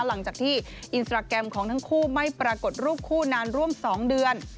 หลังจากที่อินสตราแกรมของทั้งคู่ไม่ปรากฏรูปคู่นานร่วม๒เดือน